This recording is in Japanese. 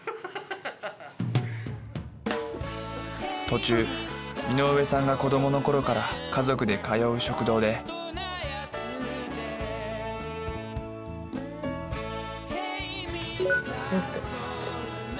途中井上さんが子供の頃から家族で通う食堂でスープ。